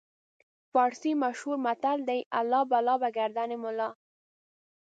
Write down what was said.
فارسي مشهور متل دی: الله بلا به ګردن ملا.